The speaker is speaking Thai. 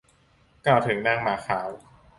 กล่าวถึงนางหมาขาว